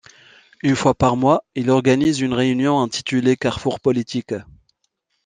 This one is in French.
Une fois par mois, il organise une réunion intitulée Carrefour Politique.